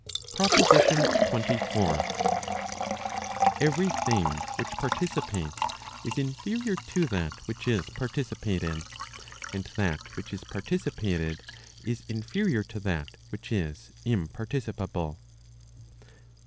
PROPOSITION XXIV. Every thing which participates is inferior to that which is participated ; and that which is participated is inferior to that which is imparticipable.